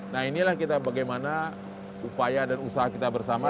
nah inilah kita bagaimana upaya dan usaha kita bersama